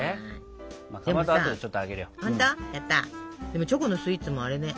でもチョコのスイーツもあれね